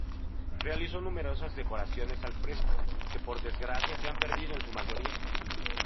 Realizó numerosas decoraciones al fresco, que por desgracia se han perdido en su mayoría.